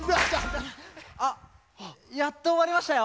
あっやっとおわりましたよ。